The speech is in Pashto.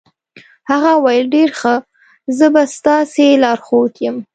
هغه وویل ډېر ښه، زه به ستاسې لارښود یم.